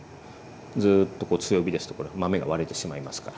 ずっと強火ですとこれ豆が割れてしまいますから。